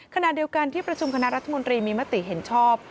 ขณะเดียวกันที่ประชุมคณะรัฐมนตรีมีมติเห็นชอบ